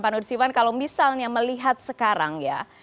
pak nursiwan kalau misalnya melihat sekarang ya